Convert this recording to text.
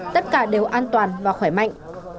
tất cả đều an toàn và khỏe mạnh